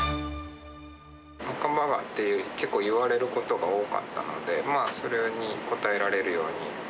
マッカンバーガーって、結構、言われることが多かったので、それに応えられるように。